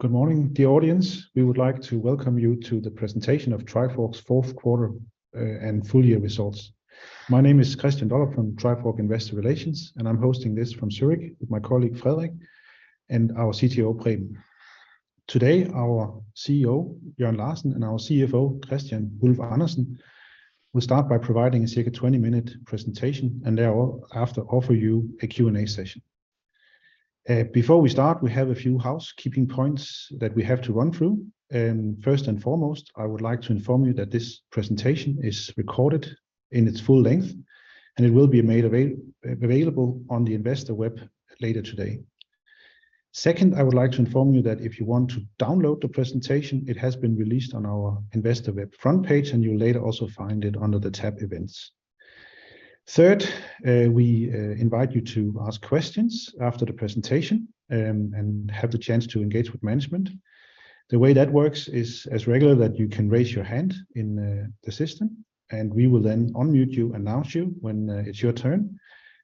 Good morning, dear audience. We would like to welcome you to the presentation of Trifork's Fourth Quarter and Full Year Results. My name is Kristian Dollerup from Trifork Investor Relations, and I'm hosting this from Zürich with my colleague Frederik and our CTO Preben. Today, our CEO Jørn Larsen and our CFO Kristian Wulf-Andersen will start by providing a circa 20-minute presentation, and thereafter offer you a Q&A session. Before we start, we have a few housekeeping points that we have to run through, and first and foremost, I would like to inform you that this presentation is recorded in its full length, and it will be made available on the investor web later today. Second, I would like to inform you that if you want to download the presentation, it has been released on our investor web front page, and you'll later also find it under the tab Events. Third, we invite you to ask questions after the presentation, and have the chance to engage with management. The way that works is as regular that you can raise your hand in the system, and we will then unmute you, announce you when it's your turn,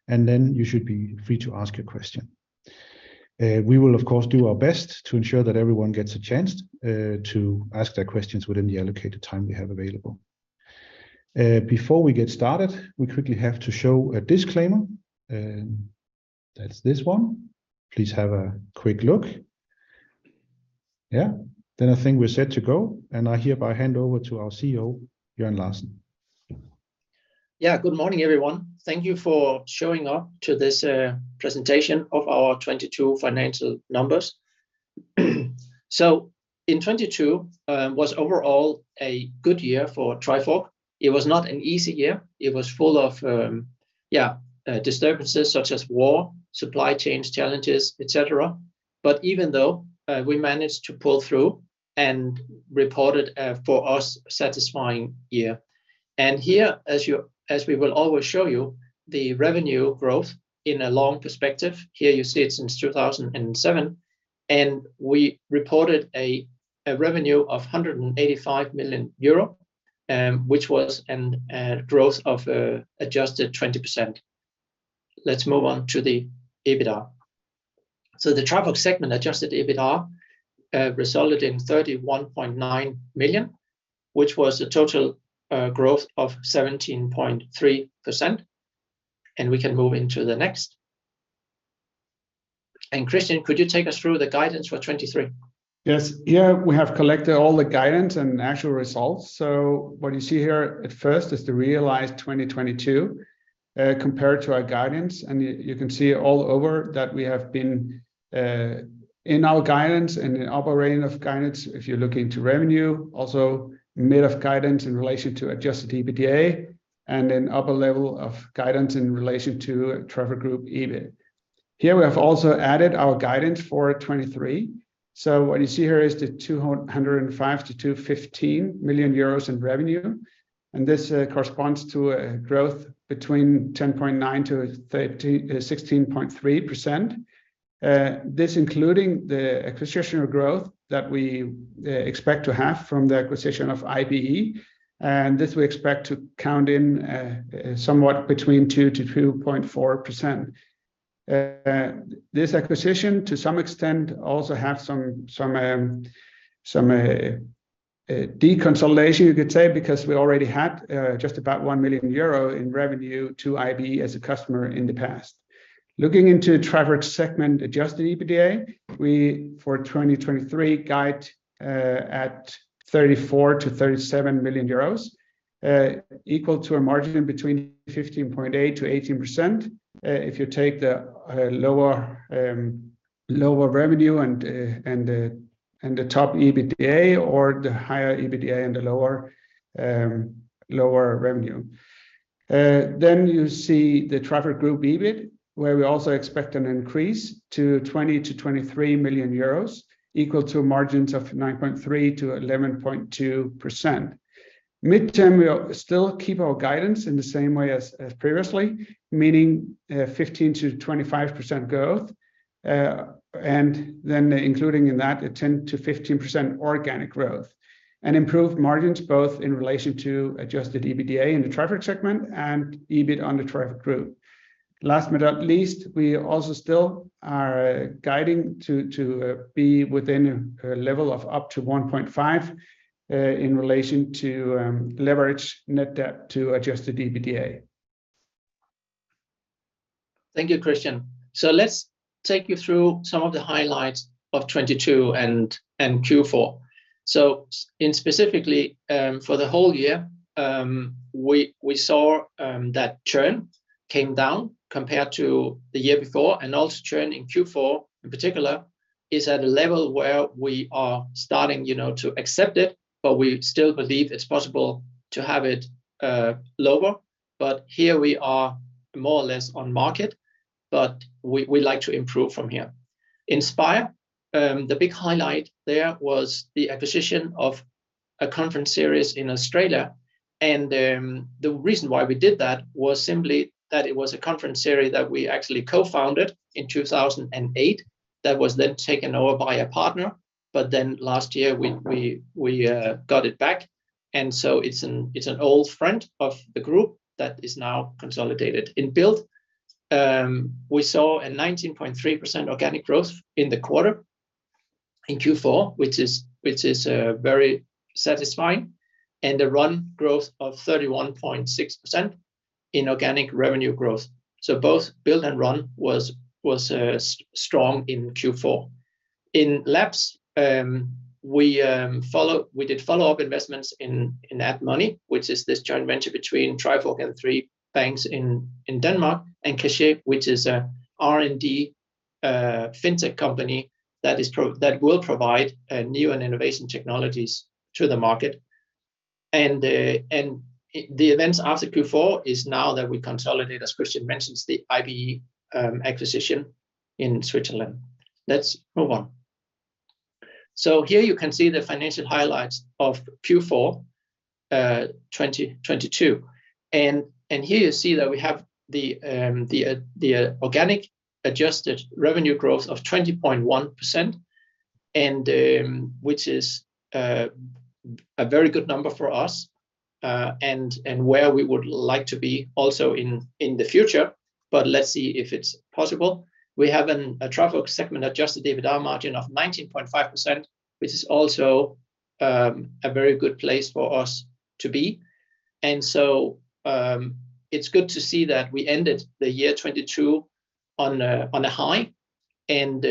and then you should be free to ask your question. We will of course do our best to ensure that everyone gets a chance to ask their questions within the allocated time we have available. Before we get started, we quickly have to show a disclaimer, and that's this one. Please have a quick look. Yeah. I think we're set to go, and I hereby hand over to our CEO, Jørn Larsen. Yeah. Good morning, everyone. Thank you for showing up to this presentation of our 2022 financial numbers. In 2022 was overall a good year for Trifork. It was not an easy year. It was full of, yeah, disturbances such as war, supply chains challenges, et cetera. Even though we managed to pull through and reported for us, satisfying year. Here, as we will always show you, the revenue growth in a long perspective. Here you see it since 2007, we reported a revenue of 185 million euro, which was a growth of adjusted 20%. Let's move on to the EBITDA. The Trifork segment adjusted EBITDA resulted in 31.9 million, which was a total growth of 17.3%. We can move into the next. Kristian, could you take us through the guidance for 2023? Yes. Here we have collected all the guidance and actual results. What you see here at first is the realized 2022 compared to our guidance, and you can see all over that we have been in our guidance and in upper range of guidance if you're looking to revenue, also mid of guidance in relation to adjusted EBITDA, and then upper level of guidance in relation to Trifork Group EBIT. Here we have also added our guidance for 2023. What you see here is the 205 million-215 million euros in revenue, and this corresponds to a growth between 10.9%-16.3%. This including the acquisition or growth that we expect to have from the acquisition of IBE, this we expect to count in somewhat between 2%-2.4%. This acquisition to some extent also have some deconsolidation you could say, because we already had just about 1 million euro in revenue to IBE as a customer in the past. Looking into Trifork segment adjusted EBITDA, we for 2023 guide at 34 million-37 million euros, equal to a margin between 15.8%-18%. If you take the lower revenue and the top EBITDA or the higher EBITDA and the lower revenue. You see the Trifork Group EBIT, where we also expect an increase to 20 million-23 million euros equal to margins of 9.3%-11.2%. Mid-term, we still keep our guidance in the same way as previously, meaning 15%-25% growth, and then including in that a 10%-15% organic growth and improved margins both in relation to adjusted EBITDA in the Trifork segment and EBIT on the Trifork Group. Last but not least, we also still are guiding to be within a level of up to 1.5 in relation to leverage net debt to adjusted EBITDA. Thank you, Kristian. Let's take you through some of the highlights of 2022 and Q4. In specifically, for the whole year, we saw that churn came down compared to the year before, and also churn in Q4 in particular is at a level where we are starting, you know, to accept it, but we still believe it's possible to have it lower. Here we are more or less on market, but we like to improve from here. Inspire, the big highlight there was the acquisition of a conference series in Australia. The reason why we did that was simply that it was a conference series that we actually co-founded in 2008 that was then taken over by a partner. Last year we got it back, it's an old friend of the group that is now consolidated. In Build, we saw 19.3% organic growth in the quarter in Q4, which is very satisfying and a Run growth of 31.6% in organic revenue growth. Both Build and Run was strong in Q4. In Labs, we did follow-up investments in &Money, which is this joint venture between Trifork and three banks in Denmark and Cache, which is a R&D fintech company that will provide new and innovation technologies to the market. The events after Q4 is now that we consolidate, as Kristian mentions, the IBE acquisition in Switzerland. Let's move on. Here you can see the financial highlights of Q4, 2022. Here you see that we have the organic adjusted revenue growth of 20.1%, which is a very good number for us and where we would like to be also in the future. Let's see if it's possible. We have a Trifork segment adjusted EBITDA margin of 19.5%, which is also a very good place for us to be. It's good to see that we ended the year 2022 on a high and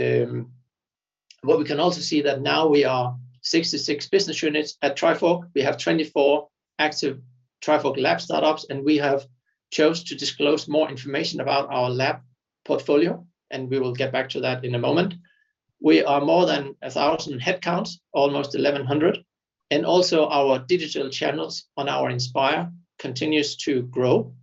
what we can also see that now we are 66 business units at Trifork. We have 24 active Trifork Labs startups. We have chose to disclose more information about our Labs portfolio, and we will get back to that in a moment. We are more than 1,000 headcounts, almost 1,100. Our digital channels on our Inspire continues to grow.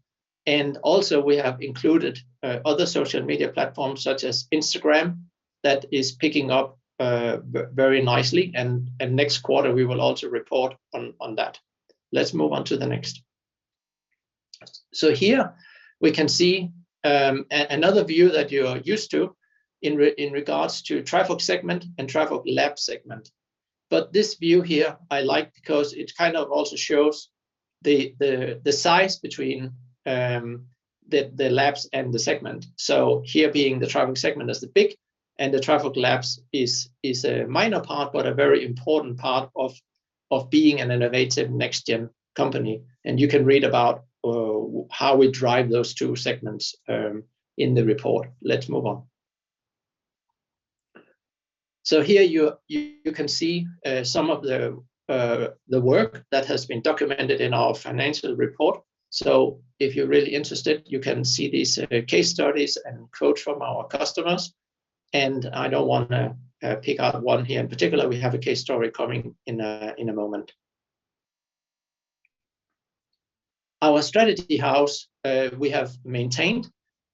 We have included other social media platforms such as Instagram that is picking up very nicely, and next quarter we will also report on that. Let's move on to the next. Here we can see another view that you are used to in regards to Trifork segment and Trifork Labs segment. This view here I like because it kind of also shows the size between the Labs and the segment. Here being the Trifork segment is the big and the Trifork Labs is a minor part, but a very important part of being an innovative next gen company. You can read about how we drive those two segments in the report. Let's move on. Here you can see some of the work that has been documented in our financial report. If you're really interested, you can see these case studies and quotes from our customers and I don't want to pick out one here in particular. We have a case story coming in a moment. Our strategy house, we have maintained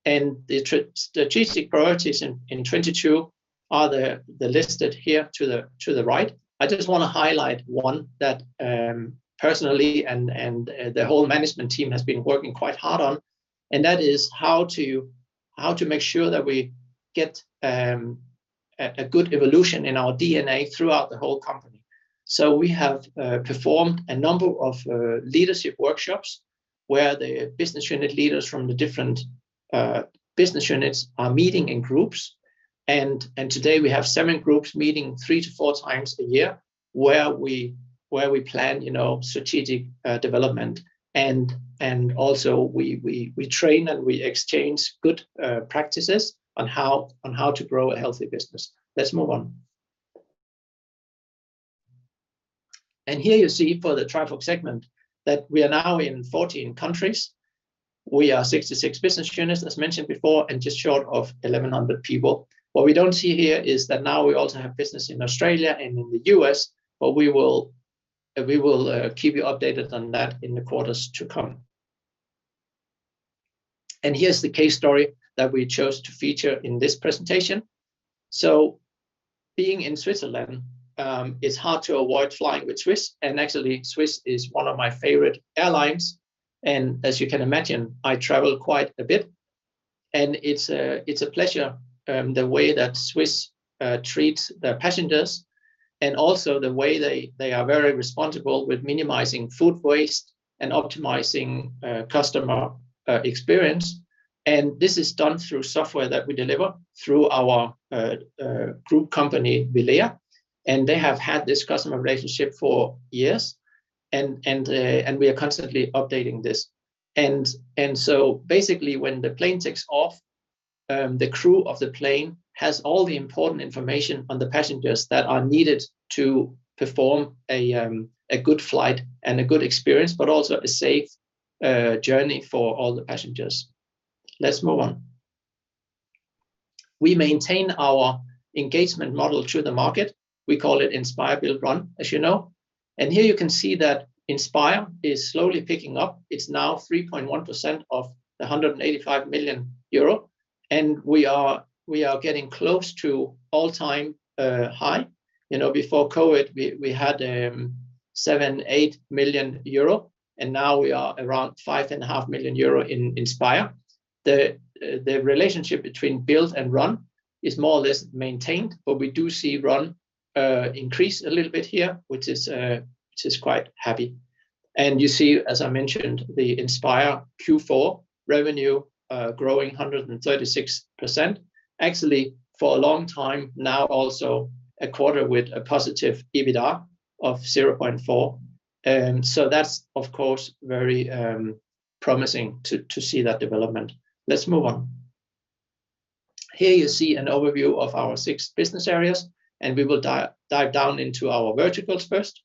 and the strategic priorities in 2022 are they're listed here to the right. I just wanna highlight one that personally and the whole management team has been working quite hard on, and that is how to make sure that we get a good evolution in our DNA throughout the whole company. We have performed a number of leadership workshops where the business unit leaders from the different business units are meeting in groups and today we have seven groups meeting three to four times a year where we plan, you know, strategic development and also we train and we exchange good practices on how to grow a healthy business. Let's move on. Here you see for the Trifork segment that we are now in 14 countries. We are 66 business units, as mentioned before, and just short of 1,100 people. What we don't see here is that now we also have business in Australia and in the U.S., but we will, we will keep you updated on that in the quarters to come. Here's the case story that we chose to feature in this presentation. Being in Switzerland, it's hard to avoid flying with SWISS, and actually SWISS is one of my favorite airlines. As you can imagine, I travel quite a bit and it's a pleasure, the way that SWISS treats the passengers and also the way they are very responsible with minimizing food waste and optimizing customer experience. This is done through software that we deliver through our group company, Vilea, and they have had this customer relationship for years and we are constantly updating this. Basically when the plane takes off, the crew of the plane has all the important information on the passengers that are needed to perform a good flight and a good experience, but also a safe journey for all the passengers. Let's move on. We maintain our engagement model to the market. We call it Inspire, Build, Run, as you know. Here you can see that Inspire is slowly picking up. It's now 3.1% of the 185 million euro and we are getting close to all-time high. You know, before COVID, we had 7 million-8 million euro and now we are around 5.5 million euro in Inspire. The relationship between Build and Run is more or less maintained, but we do see Run increase a little bit here, which is quite happy. You see, as I mentioned, the Inspire Q4 revenue growing 136%. Actually, for a long time now also a quarter with a positive EBITDA of 0.4. That's, of course, very promising to see that development. Let's move on. Here you see an overview of our six business areas, and we will dive down into our verticals first.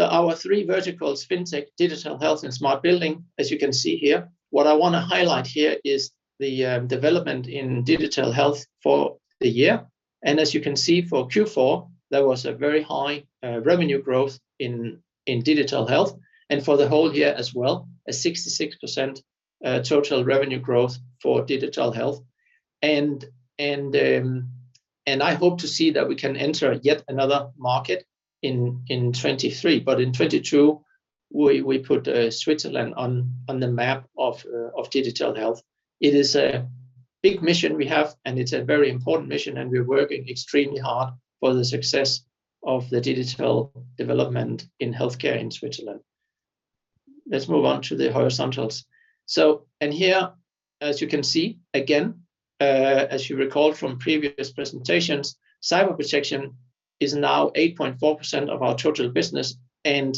Our three verticals, FinTech, Digital Health, and Smart Building, as you can see here. What I wanna highlight here is the development in Digital Health for the year. As you can see, for Q4, there was a very high revenue growth in Digital Health. For the whole year as well, a 66% total revenue growth for Digital Health. I hope to see that we can enter yet another market in 2023. In 2022, we put Switzerland on the map of Digital Health. It is a big mission we have, and it's a very important mission, and we're working extremely hard for the success of the digital development in healthcare in Switzerland. Let's move on to the horizontals. Here, as you can see, again, as you recall from previous presentations, Cyber Protection is now 8.4% of our total business, and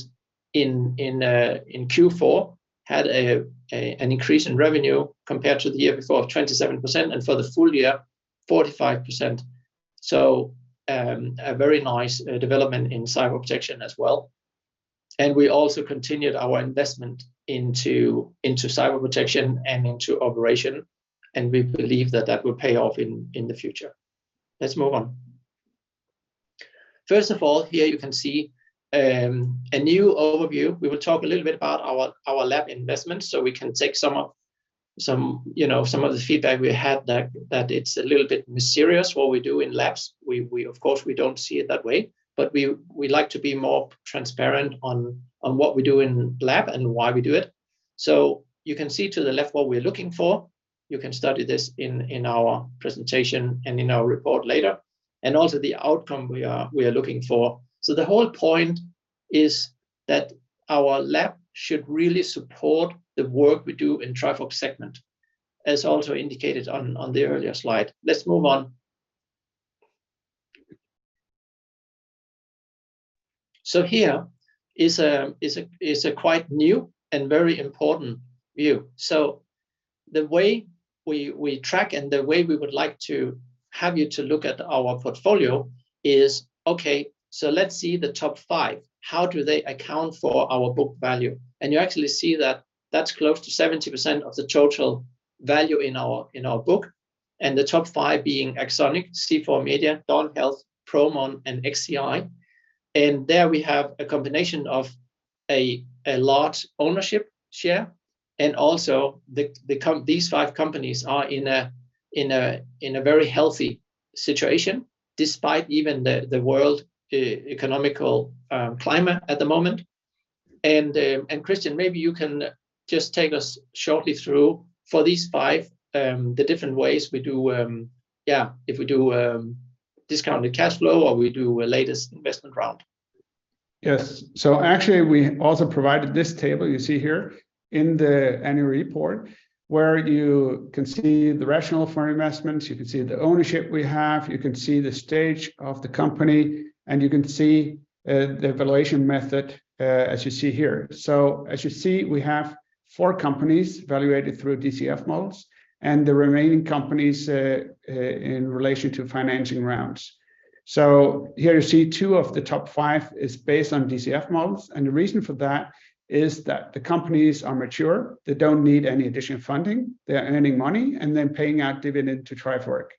in Q4, had an increase in revenue compared to the year before of 27%, and for the full year, 45%. A very nice development in Cyber Protection as well. We also continued our investment into Cyber Protection and into operation, and we believe that that will pay off in the future. Let's move on. First of all, here you can see a new overview. We will talk a little bit about our lab investments, so we can take some of, you know, some of the feedback we had that it's a little bit mysterious what we do in labs. We of course we don't see it that way, but we like to be more transparent on what we do in lab and why we do it. You can see to the left what we're looking for. You can study this in our presentation and in our report later. Also the outcome we are looking for. The whole point is that our lab should really support the work we do in Trifork segment, as also indicated on the earlier slide. Let's move on. Here is a quite new and very important view. The way we track and the way we would like to have you to look at our portfolio is, okay, so let's see the top five. How do they account for our book value? You actually see that that's close to 70% of the total value in our book. The top five being AxonIQ, C4Media, Dawn Health, Promon, and XCI. There we have a combination of a large ownership share, and also these five companies are in a very healthy situation, despite even the world economical climate at the moment. Kristian, maybe you can just take us shortly through for these five the different ways we do discounted cash flow or we do a latest investment round. Yes. Actually, we also provided this table you see here in the annual report, where you can see the rationale for investments, you can see the ownership we have, you can see the stage of the company, and you can see the valuation method as you see here. As you see, we have four companies valuated through DCF models, and the remaining companies in relation to financing rounds. Here you see two of the top five is based on DCF models, and the reason for that is that the companies are mature, they don't need any additional funding, they are earning money, and they're paying out dividend to Trifork.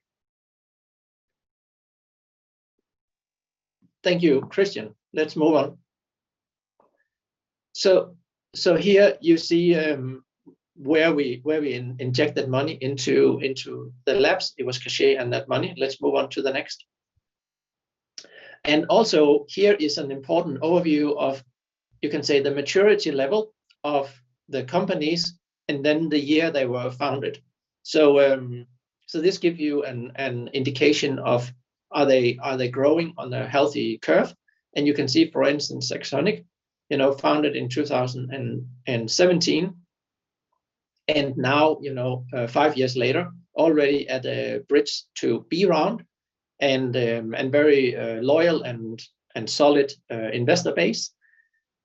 Thank you, Kristian. Let's move on. Here you see where we injected money into the Labs. It was cash and that money. Let's move on to the next. Here is an important overview of, you can say, the maturity level of the companies, and then the year they were founded. This give you an indication of are they growing on a healthy curve? You can see, for instance, AxonIQ, you know, founded in 2017, and now, you know, five years later, already at a Bridge to B-Round, and very loyal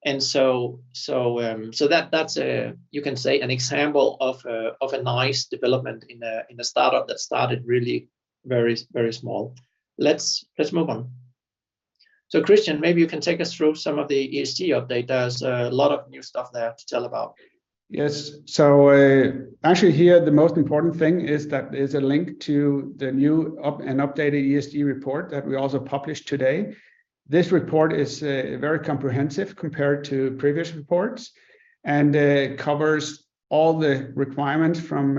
and solid investor base. That's a, you can say, an example of a nice development in a startup that started really very small. Let's move on. Kristian, maybe you can take us through some of the ESG update. There's a lot of new stuff there to tell about. Yes. Actually here, the most important thing is that there's a link to the new updated ESG report that we also published today. This report is very comprehensive compared to previous reports, and covers all the requirements from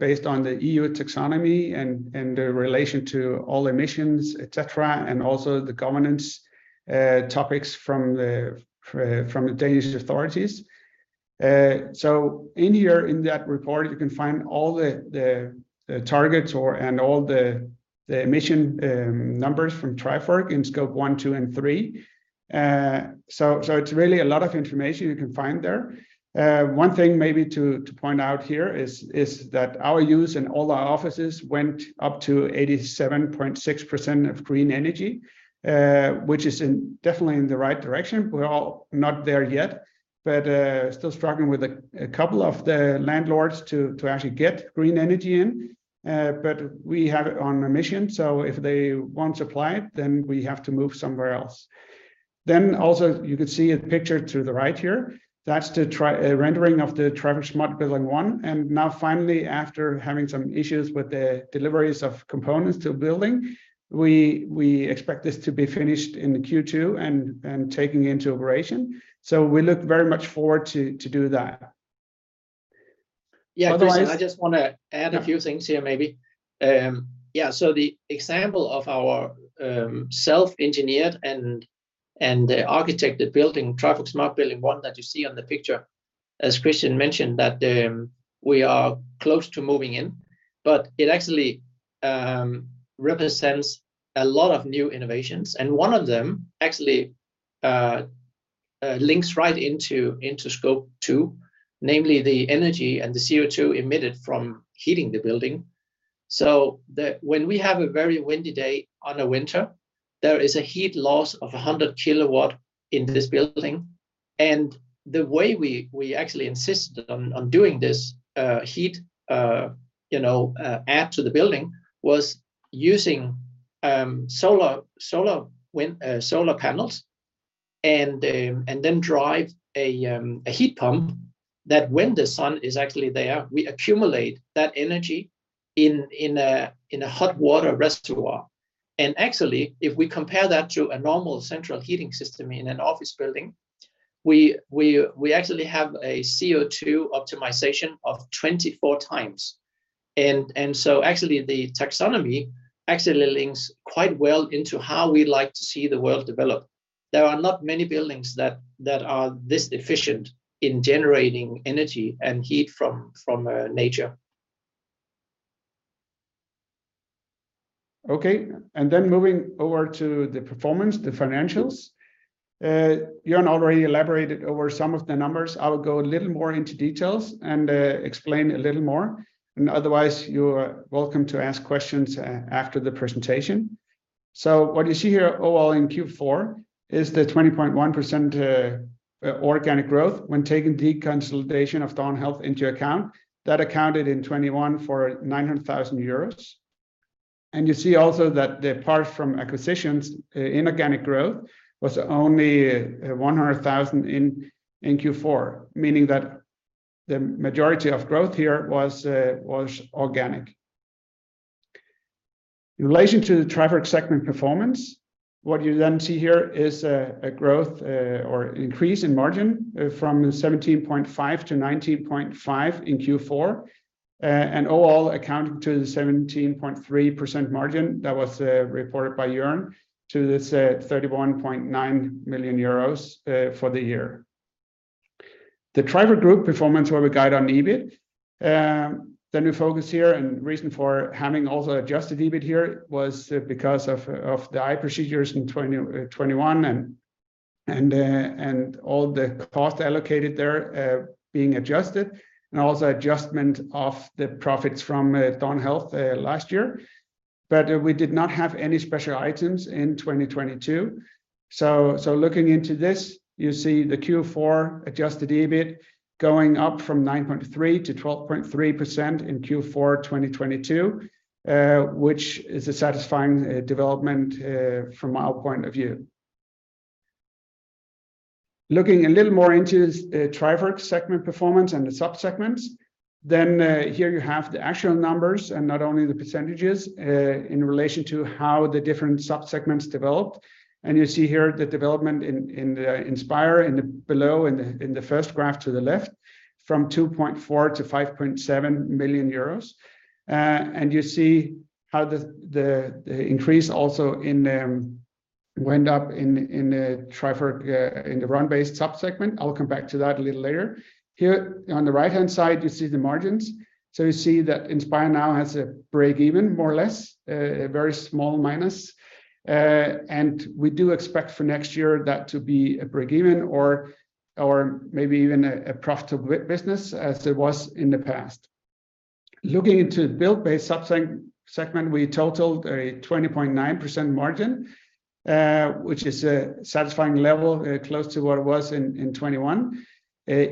based on the EU Taxonomy and the relation to all emissions, et cetera, and also the governance topics from the Danish authorities. In here in that report, you can find all the targets or, and all the emission numbers from Trifork in scope one, two, and three. It's really a lot of information you can find there. One thing maybe to point out here is that our use in all our offices went up to 87.6% of green energy, which is definitely in the right direction. We're all not there yet, still struggling with a couple of the landlords to actually get green energy in. We have it on our mission, if they won't supply it, we have to move somewhere else. Also you can see a picture to the right here. That's the rendering of the Trifork Smart Building One. Now finally, after having some issues with the deliveries of components to building, we expect this to be finished in the Q2 and taking into operation. We look very much forward to do that. Otherwise. Yeah, Kristian, I just wanna. Yeah A few things here maybe. Yeah, the example of our self engineered and architected building, Trifork Smart Building One that you see on the picture, as Kristian mentioned, that we are close to moving in. It actually represents a lot of new innovations and one of them actually links right into scope two, namely the energy and the CO2 emitted from heating the building. When we have a very windy day on the winter, there is a heat loss of 100 kilowatt in this building. The way we actually insisted on doing this heat, you know, add to the building was using solar wind, solar panels and then drive a heat pump that when the sun is actually there, we accumulate that energy in a hot water reservoir. Actually if we compare that to a normal central heating system in an office building, we actually have a CO2 optimization of 24 times. Actually the taxonomy actually links quite well into how we like to see the world develop. There are not many buildings that are this efficient in generating energy and heat from nature. Okay. Moving over to the performance, the financials, Jørn already elaborated over some of the numbers. I'll go a little more into details and explain a little more, and otherwise you are welcome to ask questions after the presentation. What you see here overall in Q4 is the 20.1% organic growth when taking deconsolidation of Dawn Health into account, that accounted in 2021 for 900,000 euros. You see also that apart from acquisitions, inorganic growth was only 100,000 in Q4, meaning that the majority of growth here was organic. In relation to the Trifork segment performance, what you then see here is a growth or increase in margin from 17.5%-19.5% in Q4. Overall accounting to the 17.3% margin that was reported by Jørn to this 31.9 million euros for the year. The Trifork Group performance where we guide on EBIT. The new focus here and reason for having also adjusted EBIT here was because of the eye procedures in 2021 and all the cost allocated there being adjusted, and also adjustment of the profits from Dawn Health last year. We did not have any special items in 2022. Looking into this, you see the Q4 adjusted EBIT going up from 9.3% to 12.3% in Q4 2022, which is a satisfying development from our point of view. Looking a little more into Trifork segment performance and the sub-segments, here you have the actual numbers and not only the percentages in relation to how the different sub-segments developed. You see here the development in the Inspire in the below, in the first graph to the left from 2.4 million-5.7 million euros. You see how the increase also went up in the Trifork Run-based sub-segment. I'll come back to that a little later. Here on the right-hand side, you see the margins. You see that Inspire now has a break even more or less, a very small minus. We do expect for next year that to be a break even or maybe even a profitable business as it was in the past. Looking into Build-based segment, we totaled a 20.9% margin, which is a satisfying level, close to what it was in 2021.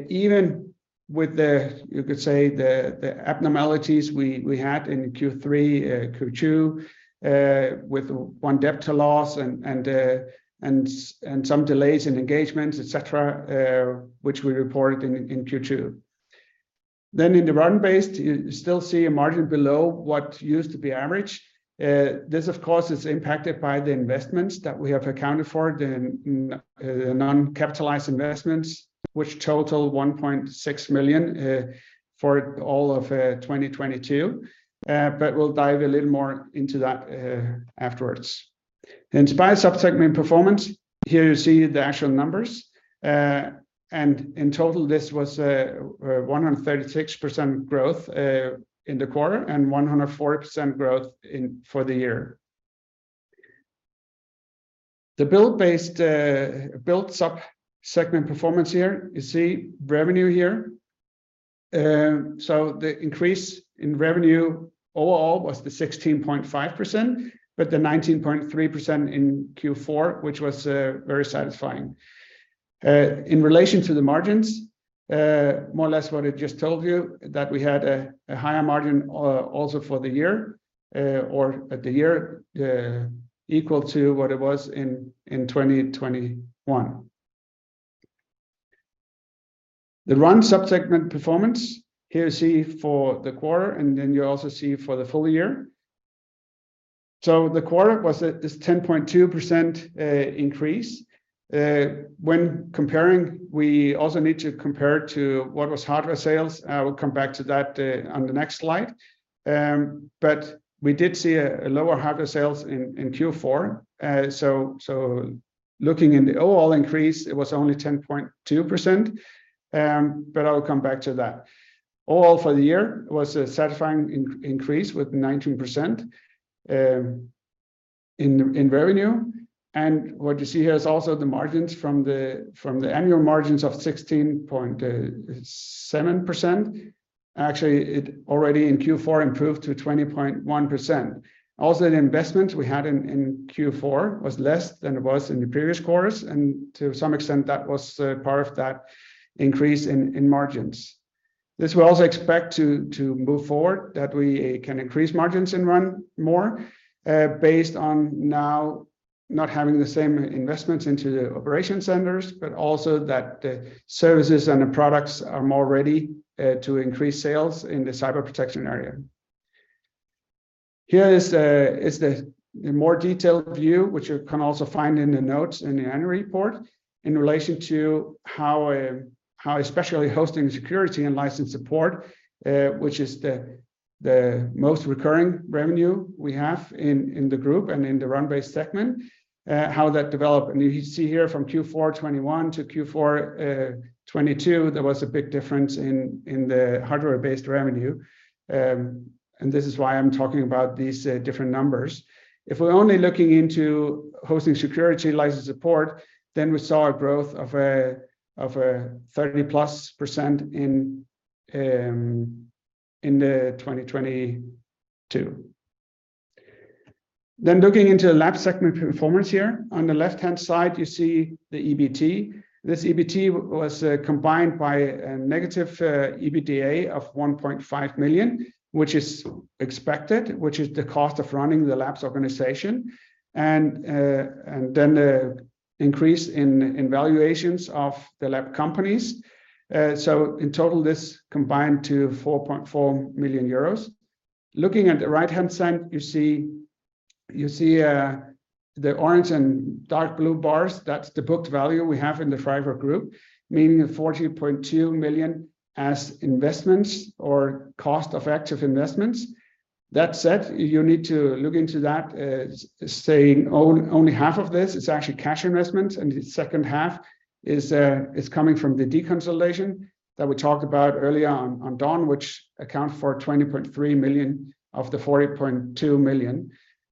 Even with the, you could say the abnormalities we had in Q3, Q2, with one debtor loss and some delays in engagements, et cetera, which we reported in Q2. In the Run-based you still see a margin below what used to be average. This of course is impacted by the investments that we have accounted for, the non-capitalized investments, which total 1.6 million for all of 2022. We'll dive a little more into that afterwards. Inspire subsegment performance, here you see the actual numbers. In total, this was 136% growth in the quarter, and 104% growth for the year. The Build-based Build subsegment performance here, you see revenue here. The increase in revenue overall was the 16.5%, but the 19.3% in Q4, which was very satisfying. In relation to the margins, more or less what I just told you, that we had a higher margin also for the year, or at the year, equal to what it was in 2021. The Run subsegment performance, here you see for the quarter, you also see for the full year. The quarter was at this 10.2% increase. When comparing, we also need to compare to what was hardware sales. I will come back to that on the next slide. We did see a lower hardware sales in Q4. Looking in the overall increase, it was only 10.2%, but I will come back to that. Overall for the year was a satisfying increase with 19% in revenue. What you see here is also the margins from the annual margins of 16.7%. Actually, it already in Q4 improved to 20.1%. Also, the investment we had in Q4 was less than it was in the previous quarters, and to some extent, that was part of that increase in margins. This we also expect to move forward, that we can increase margins in Run more, based on now not having the same investments into the operation centers, but also that the services and the products are more ready to increase sales in the Cyber Protection area. Here is the more detailed view, which you can also find in the notes in the annual report, in relation to how especially hosting security and license support, which is the most recurring revenue we have in the group and in the Run-based segment, how that developed. You see here from Q4 2021 to Q4 2022, there was a big difference in the hardware-based revenue. This is why I'm talking about these different numbers. We're only looking into hosting security license support, we saw a growth of 30%+ in 2022. Looking into the lab segment performance here, on the left-hand side, you see the EBT. This EBT was combined by a negative EBITDA of 1.5 million, which is expected, which is the cost of running the labs organization, and the increase in valuations of the lab companies. In total, this combined to 4.4 million euros. Looking at the right-hand side, you see the orange and dark blue bars. That's the booked value we have in the FREYR Battery, meaning 40.2 million as investments or cost of active investments. That said, you need to look into that as saying only half of this is actually cash investments, and the second half is coming from the deconsolidation that we talked about earlier on Dawn Health, which account for 20.3 million of the 40.2 million.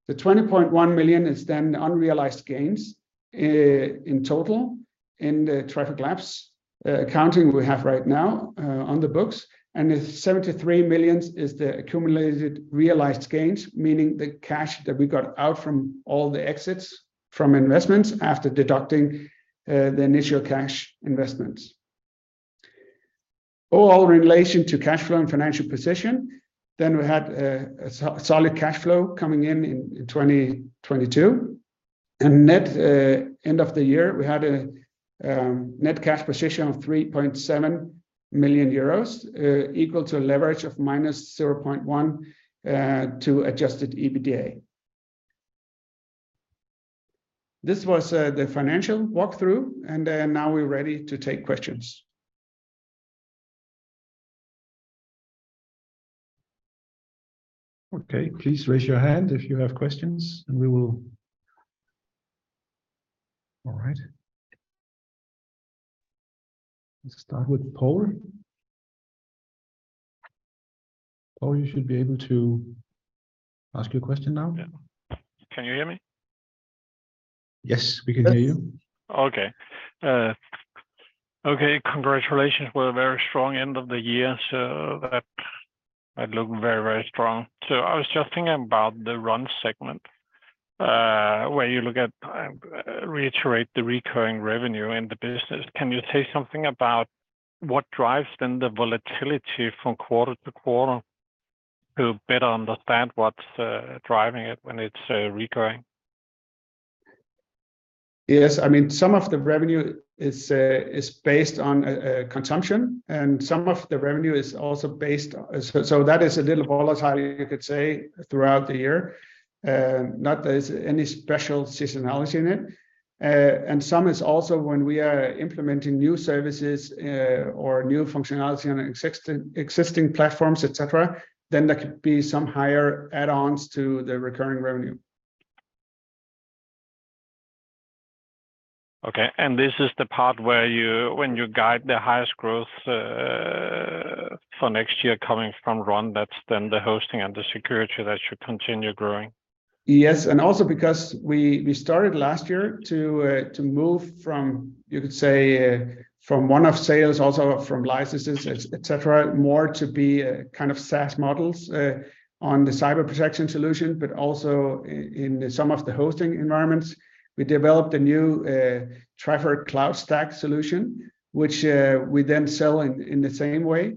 The 20.1 million is then unrealized gains in total in the Trifork Labs accounting we have right now on the books. The 73 million is the accumulated realized gains, meaning the cash that we got out from all the exits from investments after deducting the initial cash investments. Overall relation to cash flow and financial position, we had a so-solid cash flow coming in in 2022. Net, end of the year, we had a net cash position of 3.7 million euros, equal to a leverage of -0.1, to adjusted EBITDA. This was the financial walkthrough, and now we're ready to take questions. Okay, please raise your hand if you have questions. All right. Let's start with Paul. Paul, you should be able to ask your question now. Yeah. Can you hear me? Yes, we can hear you. Okay. Okay. Congratulations for a very strong end of the year. That, that looked very, very strong. I was just thinking about the Run segment, where you look at, reiterate the recurring revenue in the business. Can you say something about what drives then the volatility from quarter to quarter to better understand what's driving it when it's recurring? Yes. I mean, some of the revenue is based on consumption, and some of the revenue is also based. That is a little volatile, you could say, throughout the year. Not there's any special seasonality in it. Some is also when we are implementing new services or new functionality on an existing platforms, et cetera, then there could be some higher add-ons to the recurring revenue. Okay. This is the part where when you guide the highest growth for next year coming from Run that's then the hosting and the security that should continue growing? Yes. Also because we started last year to move from, you could say, from one-off sales also from licenses, et cetera, more to be a kind of SaaS models on the Cyber Protection solution, but also in some of the hosting environments. We developed a new Trifork Cloud Stack solution, which we then sell in the same way.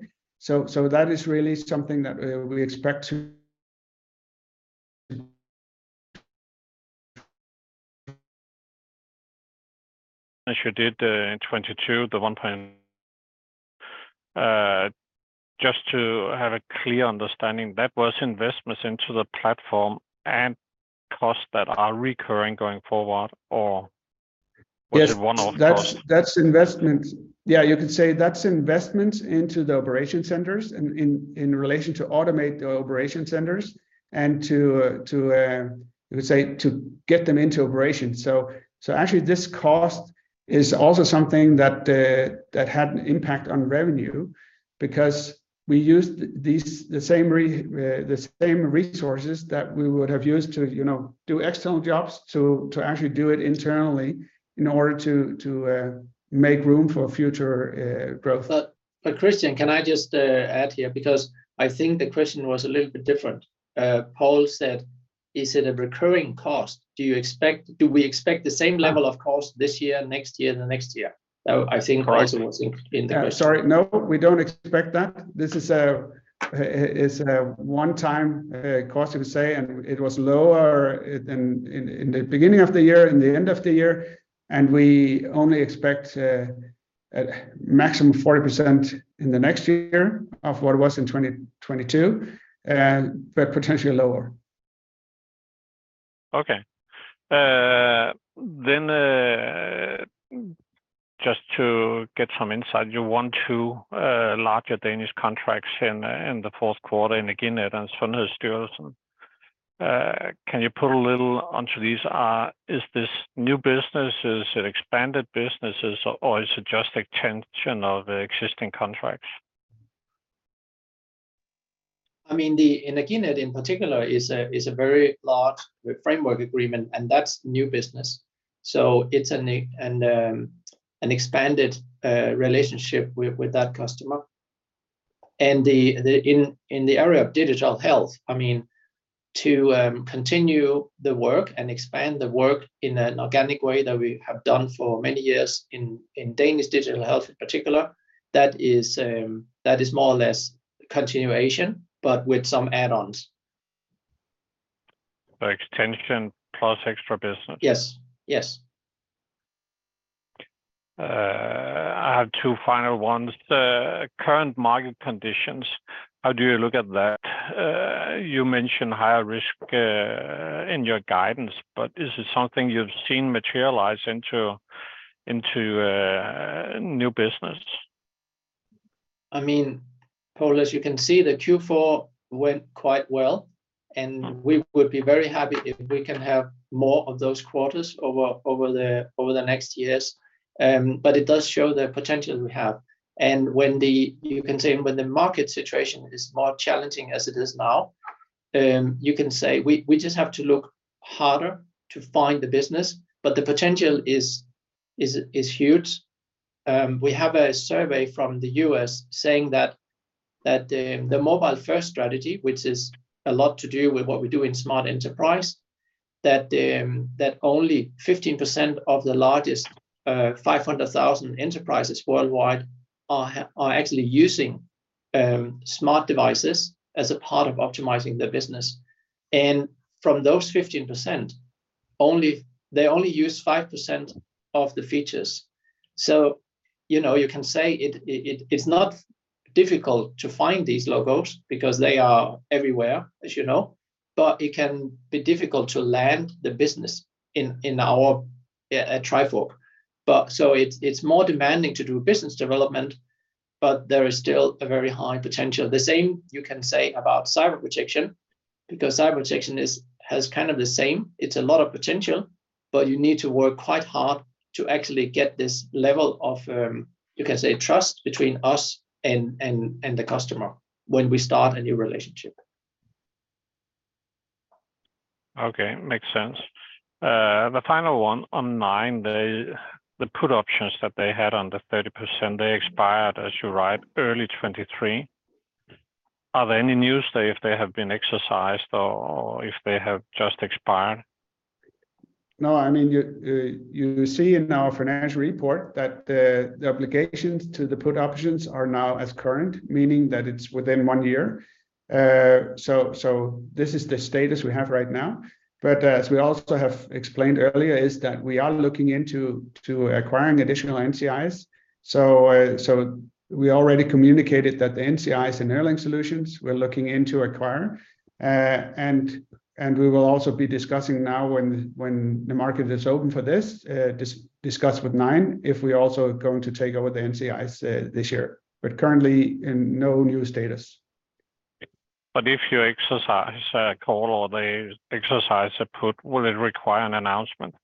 That is really something that we expect to... As you did, in 2022, just to have a clear understanding, that was investments into the platform and costs that are recurring going forward? Yes Was it one-off costs? That's investment. Yeah, you could say that's investment into the operation centers in relation to automate the operation centers and to, you could say to get them into operation. Actually this cost is also something that had an impact on revenue because we used the same resources that we would have used to, you know, do external jobs to actually do it internally in order to make room for future growth. Kristian, can I just add here? I think the question was a little bit different. Paul said, "Is it a recurring cost? Do we expect the same level of cost this year, next year and the next year?" I think also was in the question. Sorry. No, we don't expect that. This is a, it's a one-time cost you could say, and it was lower in the beginning of the year and the end of the year, and we only expect a maximum 40% in the next year of what it was in 2022, but potentially lower. Just to get some insight, you won two larger Danish contracts in the fourth quarter, in Eki-Net and Sundhedsdatastyrelsen. Can you put a little onto these? Is this new business? Is it expanded businesses or is it just extension of existing contracts? I mean, the Eki-Net in particular is a very large framework agreement. That's new business. It's an expanded relationship with that customer. The in the area of Digital Health, I mean, to continue the work and expand the work in an organic way that we have done for many years in Danish Digital Health in particular, that is more or less continuation, but with some add-ons. Extension plus extra business. Yes. Yes. I have two final ones. The current market conditions, how do you look at that? You mentioned higher risk, in your guidance, but is it something you've seen materialize into new business? I mean, Paul, as you can see, the Q4 went quite well, and we would be very happy if we can have more of those quarters over the next years. It does show the potential we have. You can say when the market situation is more challenging as it is now, you can say we just have to look harder to find the business. The potential is huge. We have a survey from the U.S. saying that the mobile-first strategy, which is a lot to do with what we do in Smart Enterprise, that only 15% of the largest 500,000 enterprises worldwide are actually using smart devices as a part of optimizing their business. From those 15%, they only use 5% of the features. You know, you can say it's not difficult to find these logos because they are everywhere, as you know. It can be difficult to land the business in our at Trifork. It's more demanding to do business development, but there is still a very high potential. The same you can say about Cyber Protection, because Cyber Protection has kind of the same, it's a lot of potential, but you need to work quite hard to actually get this level of, you can say trust between us and the customer when we start a new relationship. Okay. Makes sense. The final one on Nine, the put options that they had on the 30%, they expired, as you write, early 2023. Are there any news say if they have been exercised or if they have just expired? No, I mean, you see in our financial report that the obligations to the put options are now as current, meaning that it's within one year. This is the status we have right now. As we also have explained earlier, is that we are looking into acquiring additional NCI. We already communicated that the NCI and airline solutions we're looking into acquire. We will also be discussing now when the market is open for this, discuss with Nine if we're also going to take over the NCI this year. Currently in no new status. If you exercise a call or they exercise a put, will it require an announcement?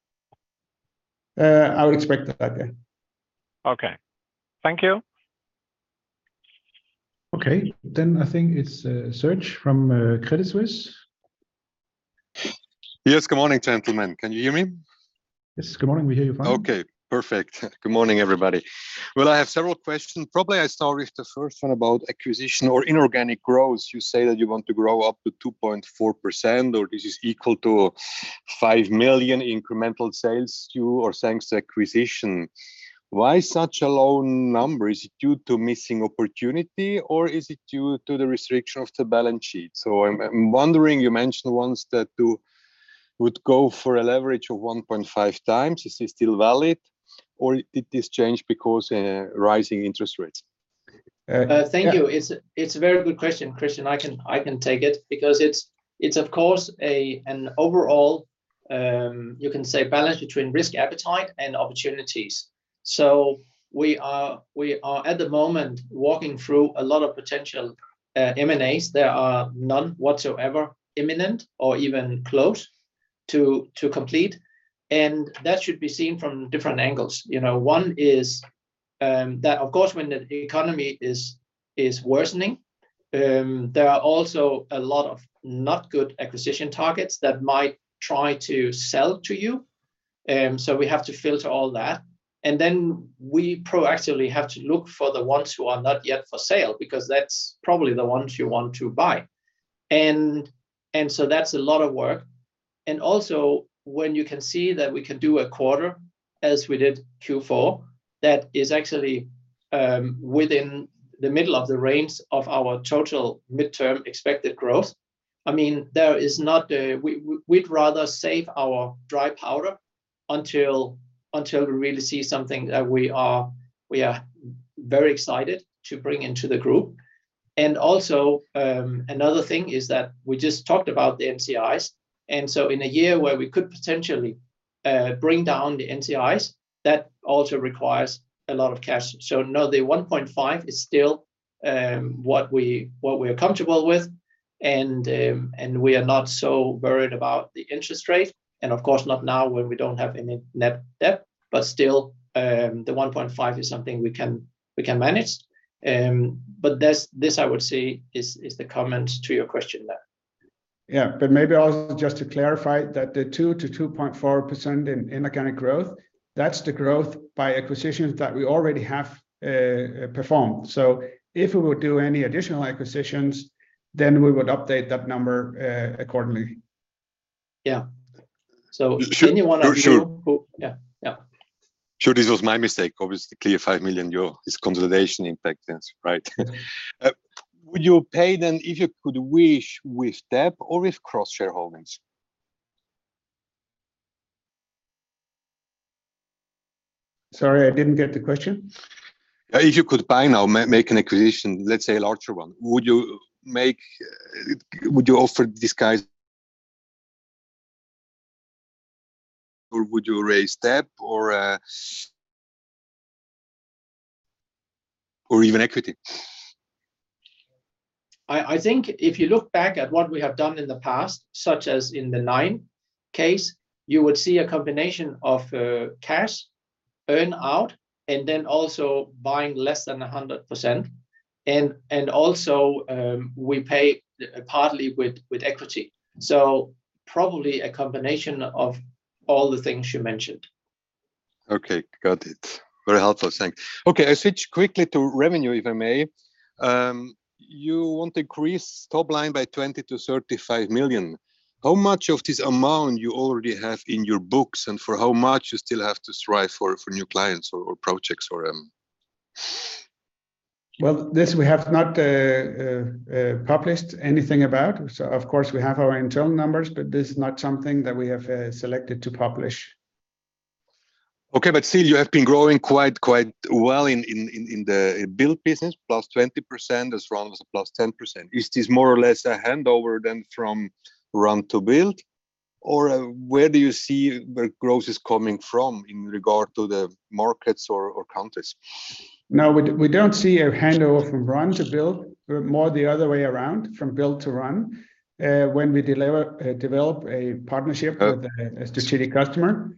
I would expect that, yeah. Okay. Thank you. Okay. I think it's Serge from Credit Suisse. Yes. Good morning, gentlemen. Can you hear me? Yes. Good morning. We hear you fine. Okay. Perfect. Good morning, everybody. Well, I have several questions. Probably I start with the first one about acquisition or inorganic growth. You say that you want to grow up to 2.4% or this is equal to 5 million incremental sales to or thanks to acquisition. Why such a low number? Is it due to missing opportunity or is it due to the restriction of the balance sheet? I'm wondering, you mentioned once that you would go for a leverage of 1.5 times. Is this still valid or did this change because of rising interest rates? Thank you. It's a very good question, Kristian. I can take it because it's of course an overall, you can say balance between risk appetite and opportunities. We are at the moment walking through a lot of potential M&As. There are none whatsoever imminent or even close to complete, and that should be seen from different angles. You know, one is that of course when the economy is worsening, there are also a lot of not good acquisition targets that might try to sell to you, so we have to filter all that. Then we proactively have to look for the ones who are not yet for sale because that's probably the ones you want to buy, so that's a lot of work. When you can see that we can do a quarter as we did Q4 that is actually within the middle of the range of our total midterm expected growth, I mean, we'd rather save our dry powder until we really see something that we are very excited to bring into the group. Another thing is that we just talked about the NCI, and so in a year where we could potentially bring down the NCI, that also requires a lot of cash. No, the 1.5 is still what we are comfortable with and we are not so worried about the interest rate and of course not now when we don't have any net debt. Still, the 1.5 is something we can manage. This I would say is the comment to your question there. Yeah. Maybe also just to clarify that the 2% to 2.4% in inorganic growth, that's the growth by acquisitions that we already have performed. If we would do any additional acquisitions then we would update that number accordingly. Yeah. Sure. Yeah. Yeah. Sure this was my mistake. Obviously clear 5 million euro is consolidation impact, yes. Right. Would you pay then if you could wish with debt or with cross-shareholdings? Sorry, I didn't get the question. If you could buy now, make an acquisition, let's say a larger one, Would you offer disguised or would you raise debt or even equity? I think if you look back at what we have done in the past such as in the Nine case, you would see a combination of cash earn out and then also buying less than 100% and also we pay partly with equity. Probably a combination of all the things you mentioned. Okay. Got it. Very helpful. Thanks. I switch quickly to revenue if I may. You want to increase top line by 20 million-35 million. How much of this amount you already have in your books and for how much you still have to strive for new clients or projects or, This we have not published anything about. Of course we have our internal numbers, but this is not something that we have selected to publish. Okay. Still you have been growing quite well in the Build business, +20% as well as +10%. Is this more or less a handover then from Run to Build or where do you see where growth is coming from in regard to the markets or countries? No, we don't see a handover from Run to Build. More the other way around, from Build to Run, when we develop a partnership. Okay With a strategic customer.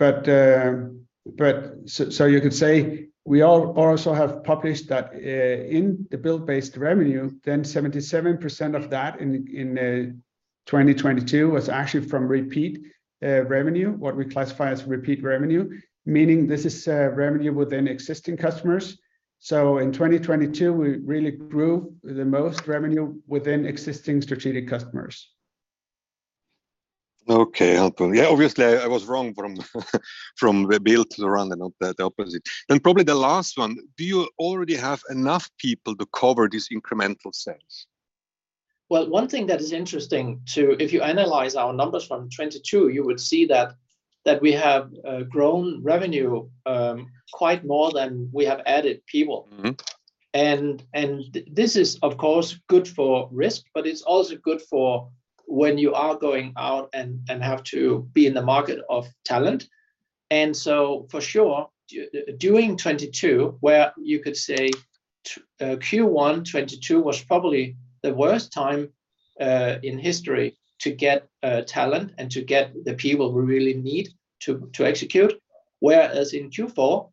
You could say we also have published that in the Build-based revenue, then 77% of that in 2022 was actually from repeat revenue, what we classify as repeat revenue, meaning this is revenue within existing customers. In 2022 we really grew the most revenue within existing strategic customers. Okay. Helpful. Yeah, obviously I was wrong from the Build to Run and not the opposite. Probably the last one, do you already have enough people to cover this incremental sales? One thing that is interesting if you analyze our numbers from 22 you would see that we have grown revenue quite more than we have added people. Mm-hmm. This is of course good for risk, but it's also good for when you are going out and have to be in the market of talent. For sure, during 2022 where you could say Q1 2022 was probably the worst time in history to get talent and to get the people we really need to execute. Whereas in Q4,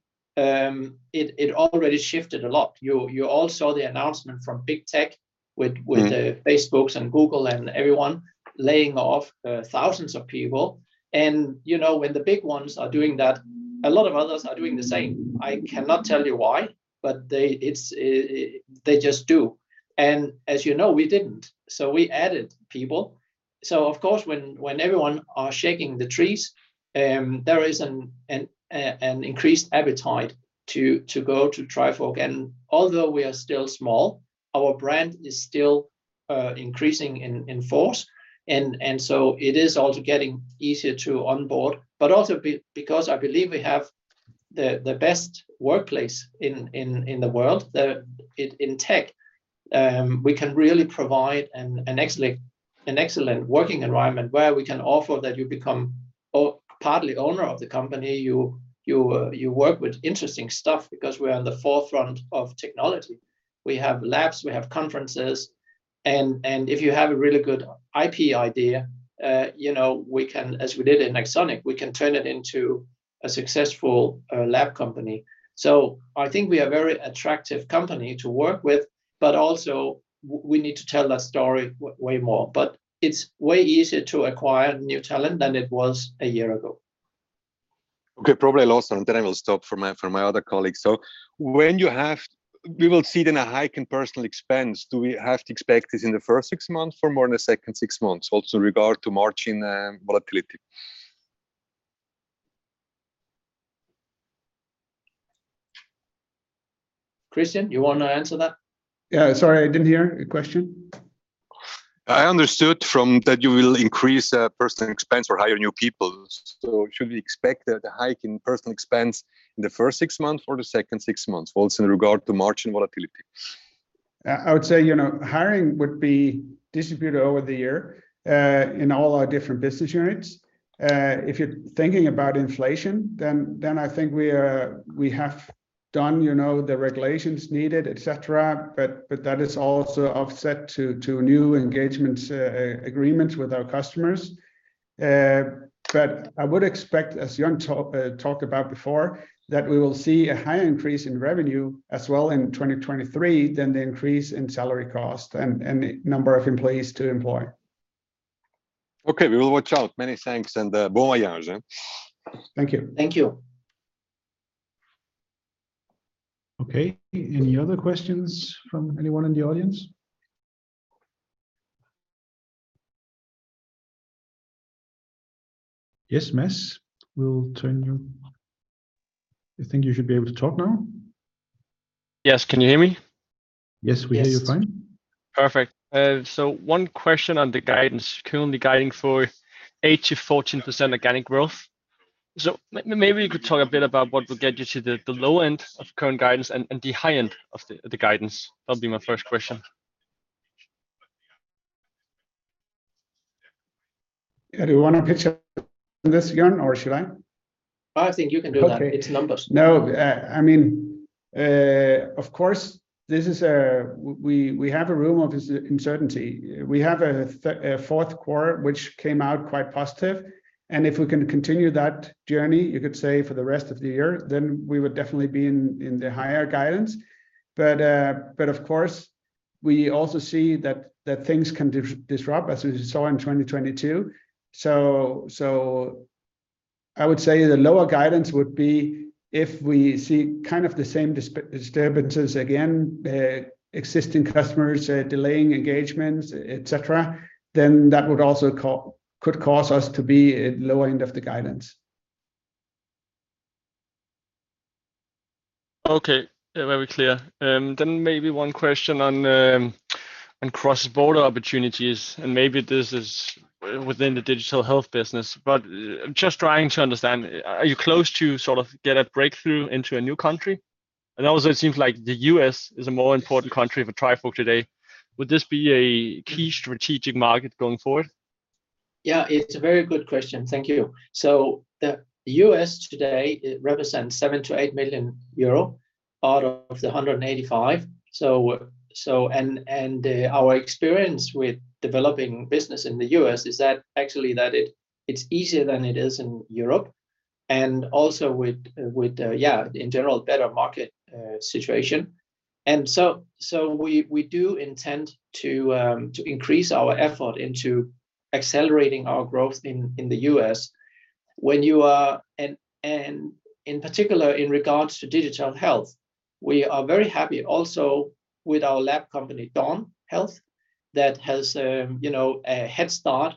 it already shifted a lot. You all saw the announcement from big tech. Mm-hmm With the Facebooks and Google and everyone laying off thousands of people, you know, when the big ones are doing that, a lot of others are doing the same. I cannot tell you why, but they just do. As you know, we didn't. We added people. Of course, when everyone are shaking the trees, there is an increased appetite to go to Trifork. Although we are still small, our brand is still increasing in force. It is also getting easier to onboard, but also because I believe we have the best workplace in the world. In tech, we can really provide an excellent working environment where we can offer that you become a partly owner of the company. You work with interesting stuff because we are on the forefront of technology. We have labs, we have conferences and if you have a really good IP idea, you know, we can, as we did in Nexonic, we can turn it into a successful lab company. I think we are very attractive company to work with, but also we need to tell that story way more. It's way easier to acquire new talent than it was a year ago. Okay. Probably last and then I will stop for my, for my other colleagues. We will see then a hike in personnel expense. Do we have to expect this in the first six months or more in the second six months also regard to margin volatility? Kristian, you wanna answer that? Yeah. Sorry, I didn't hear your question. I understood from that you will increase personal expense or hire new people. Should we expect the hike in personal expense in the first six months or the second six months also in regard to margin volatility? I would say, you know, hiring would be distributed over the year, in all our different business units. If you're thinking about inflation, then I think we are, we have done, you know, the regulations needed, et cetera, but that is also offset to new engagements, agreements with our customers. But I would expect, as Jørn talked about before, that we will see a higher increase in revenue as well in 2023 than the increase in salary cost and number of employees to employ. Okay. We will watch out. Many thanks. Bon voyage, yeah? Thank you. Thank you. Okay. Any other questions from anyone in the audience? Yes, Mads. We'll turn you. I think you should be able to talk now. Yes. Can you hear me? Yes, we hear you fine. Yes. Perfect. One question on the guidance. Currently guiding for 8%-14% organic growth. Maybe you could talk a bit about what will get you to the low end of current guidance and the high end of the guidance. That'll be my first question. Yeah. Do you wanna pitch in this, Jørn, or should I? I think you can do that. Okay. It's numbers. I mean, of course, we have a room of this uncertainty. We have a fourth quarter which came out quite positive, and if we can continue that journey, you could say, for the rest of the year, then we would definitely be in the higher guidance. Of course, we also see that things can disrupt as we saw in 2022. I would say the lower guidance would be if we see kind of the same disturbances again, existing customers, delaying engagements, et cetera, then that would also could cause us to be at lower end of the guidance. Okay. Yeah. Very clear. Maybe one question on cross-border opportunities, and maybe this is within the Digital Health business. Just trying to understand, are you close to sort of get a breakthrough into a new country? It seems like the U.S. is a more important country for Trifork today. Would this be a key strategic market going forward? Yeah, it's a very good question. Thank you. The U.S. today represents 7 million-8 million euro out of 185 million. And our experience with developing business in the U.S. is that actually it's easier than it is in Europe, and also with, yeah, in general better market situation. We do intend to increase our effort into accelerating our growth in the U.S. In particular in regards to Digital Health, we are very happy also with our lab company, Dawn Health, that has, you know, a head start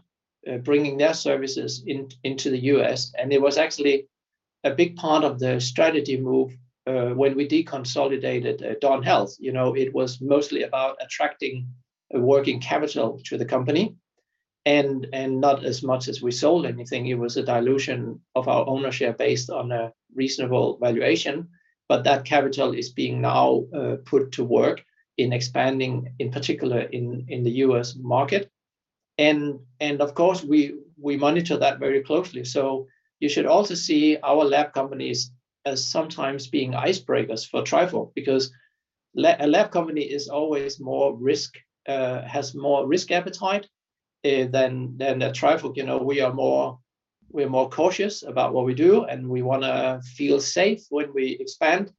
bringing their services into the U.S. It was actually a big part of the strategy move when we deconsolidated Dawn Health, you know, it was mostly about attracting working capital to the company and not as much as we sold anything. It was a dilution of our ownership based on a reasonable valuation. That capital is being now put to work in expanding, in particular, in the U.S. market. Of course we monitor that very closely. You should also see our lab companies as sometimes being icebreakers for Trifork, because a lab company is always more risk, has more risk appetite than a Trifork. You know, we're more cautious about what we do, and we wanna feel safe when we expand.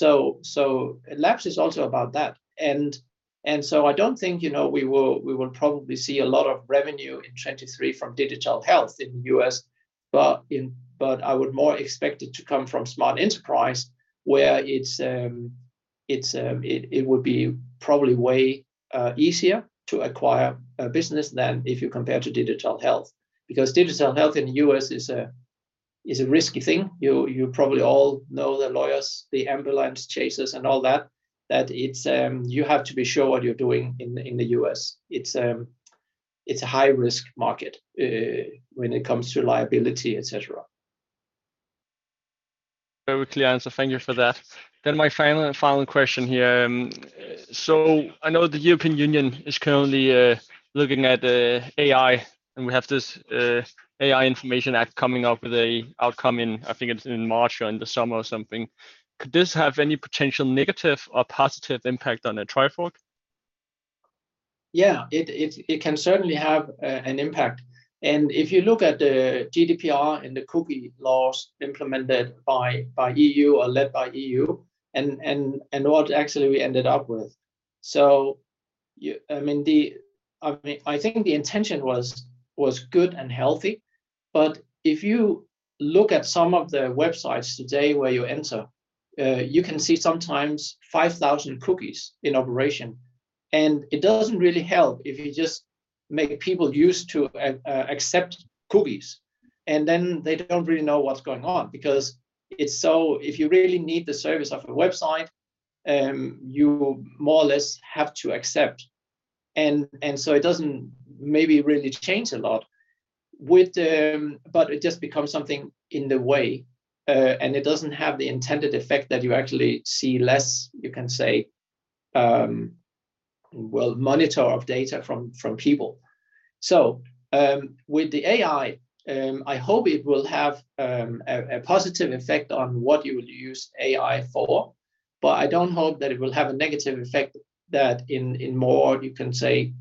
Labs is also about that. I don't think, you know, we will probably see a lot of revenue in 2023 from Digital Health in U.S., but I would more expect it to come from Smart Enterprise where it's, it would be probably way easier to acquire a business than if you compare to Digital Health. Because Digital Health in the U.S. is a risky thing. You probably all know the lawyers, the ambulance chasers and all that it's, you have to be sure what you're doing in the U.S. It's a high-risk market when it comes to liability, et cetera. Very clear answer. Thank you for that. My final question here. I know the European Union is currently looking at AI, and we have this EU AI Act coming up with a outcome in, I think it's in March or in the summer or something. Could this have any potential negative or positive impact on Trifork? Yeah. It can certainly have an impact. If you look at the GDPR and the Cookie Laws implemented by EU or led by EU and what actually we ended up with. I mean, I think the intention was good and healthy, but if you look at some of the websites today where you enter, you can see sometimes 5,000 cookies in operation. It doesn't really help if you just make people used to accept cookies, and then they don't really know what's going on, because it's so. If you really need the service of a website, you more or less have to accept. It doesn't maybe really change a lot with the. It just becomes something in the way. It doesn't have the intended effect that you actually see less, you can say, well, monitor of data from people. With the AI, I hope it will have a positive effect on what you will use AI for, but I don't hope that it will have a negative effect that in more, you can say,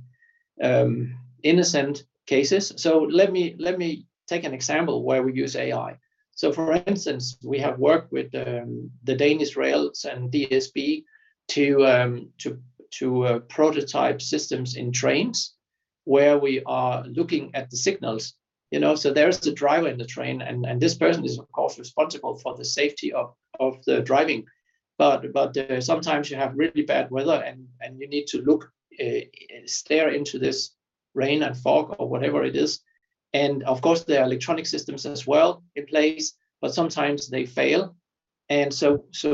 innocent cases. Let me take an example where we use AI. For instance, we have worked with the Danish Rails and DSB to prototype systems in trains where we are looking at the signals. You know, there's the driver in the train, and this person is of course responsible for the safety of the driving. Sometimes you have really bad weather and you need to look, stare into this rain and fog or whatever it is. Of course, there are electronic systems as well in place, but sometimes they fail.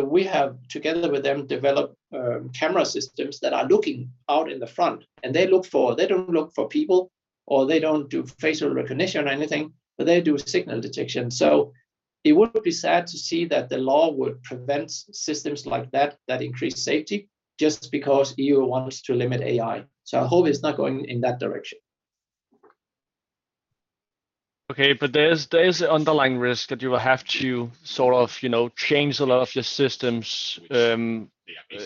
We have, together with them, developed camera systems that are looking out in the front, and they don't look for people, or they don't do facial recognition or anything, but they do signal detection. It would be sad to see that the law would prevent systems like that that increase safety just because EU wants to limit AI. I hope it's not going in that direction. Okay. there is an underlying risk that you will have to sort of, you know, change a lot of your systems. Yeah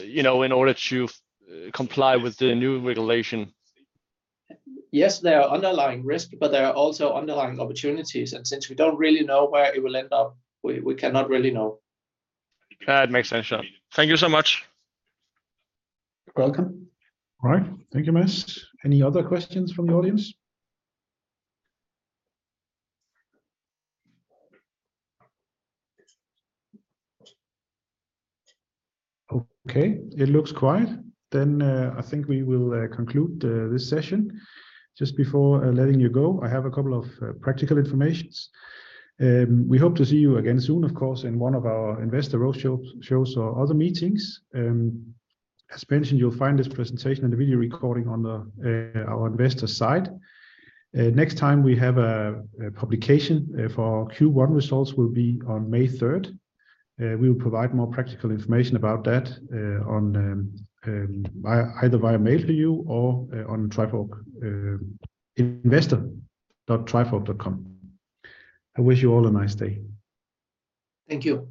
You know, in order to comply with the new regulation. Yes, there are underlying risk. There are also underlying opportunities. Since we don't really know where it will end up, we cannot really know. Yeah. It makes sense, yeah. Thank you so much. You're welcome. All right. Thank you, Mads. Any other questions from the audience? Okay, it looks quiet. I think we will conclude this session. Just before letting you go, I have a couple of practical informations. We hope to see you again soon, of course, in one of our investor roadshow, shows or other meetings. As mentioned, you'll find this presentation and the video recording on our investor site. Next time we have a publication for our Q1 results will be on May third. We will provide more practical information about that on either via mail to you or on Trifork, investor.trifork.com. I wish you all a nice day. Thank you.